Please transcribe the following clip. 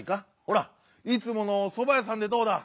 ほらいつものそばやさんでどうだ？